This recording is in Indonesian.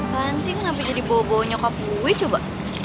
bahan sih nanti jadi bobo nyokap gue coba